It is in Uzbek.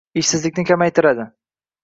ishsizlikni kamaytiradi